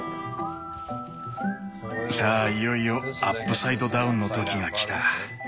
さあいよいよアップサイドダウンの時が来た。